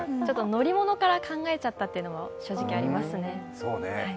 乗り物から考えちゃったっていうのも正直ありますね。